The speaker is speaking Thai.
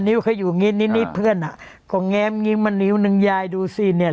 เคยอยู่อย่างนี้นิดนิดเพื่อนอ่ะก็แง้มงิ้มมานิ้วนึงยายดูสิเนี่ย